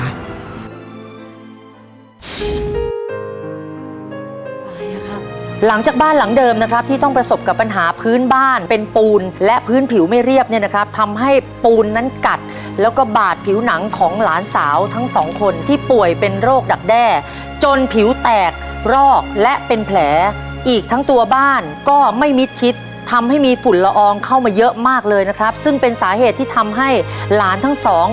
อะไรอ่ะครับหลังจากบ้านหลังเดิมนะครับที่ต้องประสบกับปัญหาพื้นบ้านเป็นปูนและพื้นผิวไม่เรียบเนี่ยนะครับทำให้ปูนนั้นกัดแล้วก็บาดผิวหนังของหลานสาวทั้งสองคนที่ป่วยเป็นโรคดักแด้จนผิวแตกรอกและเป็นแผลอีกทั้งตัวบ้านก็ไม่มิดชิดทำให้มีฝุ่นละอองเข้ามาเยอะมากเลยนะครับซึ่งเป็นสาเหตุที่ทำให้หลานทั้งสอง